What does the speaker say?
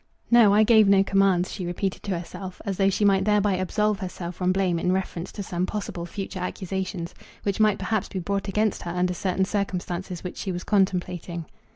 "No; I gave no commands," she repeated to herself, as though she might thereby absolve herself from blame in reference to some possible future accusations, which might perhaps be brought against her under certain circumstances which she was contemplating.